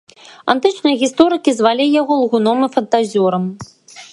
Антычныя гісторыкі звалі яго лгуном і фантазёрам.